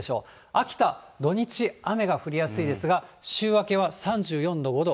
秋田、土日、雨が降りやすいですが、週明けは３４度、５度。